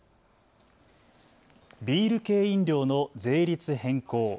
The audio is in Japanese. ビール系飲料の税率変更。